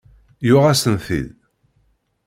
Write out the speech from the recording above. Yuɣ-asen-t-id.